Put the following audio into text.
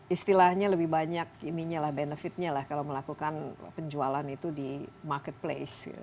istilahnya lebih banyak ininya lah benefitnya lah kalau melakukan penjualan itu di marketplace